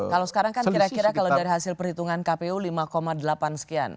kalau sekarang kan kira kira kalau dari hasil perhitungan kpu lima delapan sekian